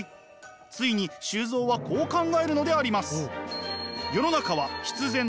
ついに周造はこう考えるのであります。